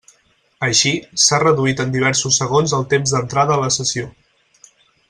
Així, s'ha reduït en diversos segons el temps d'entrada a la sessió.